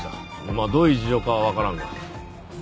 まあどういう事情かはわからんが。